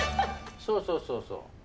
そうそうそうそう。